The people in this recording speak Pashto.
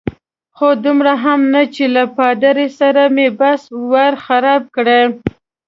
خو دومره هم نه چې له پادري سره مې بحث ور خراب کړي.